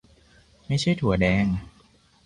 ไม่ใช่ถั่วแดง